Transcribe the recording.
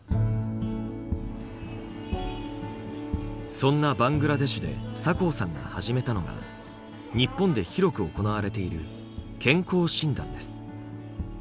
そんなバングラデシュで酒匂さんが始めたのが日本で広く行われている健康診断です。